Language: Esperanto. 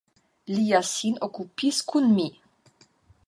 Li ja sin okupis kun mi.